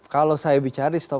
kalau saya bicara stop